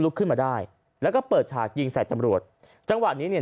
ขึ้นมาได้แล้วก็เปิดฉากยิงใส่ตำรวจจังหวะนี้เนี่ย